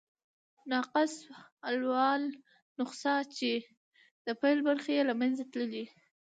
ناقص الاول نسخه، چي د پيل برخي ئې له منځه تللي يي.